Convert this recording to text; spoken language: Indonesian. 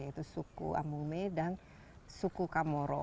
yaitu suku amume dan suku kamoro